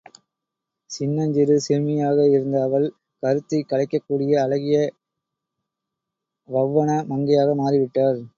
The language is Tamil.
சின்னஞ்சிறு சிறுமியாக இருந்த அவள், கருத்தைக் கலைக்கக் கூடிய அழகிய வெளவன மங்கையாக மாறிவிட்டாள்.